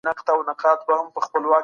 د مېوو جوس بدن ته قوت بښي.